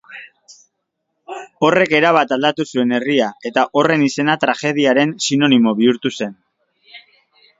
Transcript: Horrek erabat aldatu zuen herria, eta horren izena tragediaren sinonimo bihurtu zen.